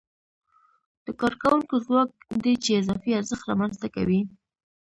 د کارکوونکو ځواک دی چې اضافي ارزښت رامنځته کوي